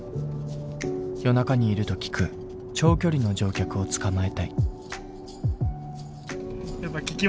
夜中にいると聞く長距離の乗客をつかまえたい。